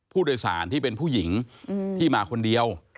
ผู้โดยสารที่เป็นผู้หญิงที่มาคนเดียว